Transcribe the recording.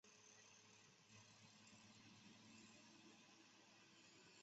没有完全发酵的新酒被称为发酵果酒。